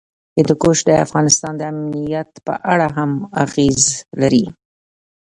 هندوکش د افغانستان د امنیت په اړه هم اغېز لري.